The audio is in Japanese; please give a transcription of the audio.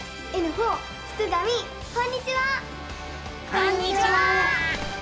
こんにちは！